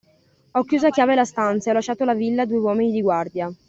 Ho chiuso a chiave la stanza e ho lasciato alla villa due uomini di guardia.